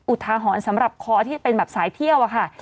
อุทาหรณ์สำหรับคอที่เป็นแบบสายเที่ยวอะค่ะ